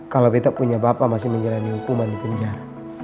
kalo betta punya bapak masih menjalani hukuman di penjara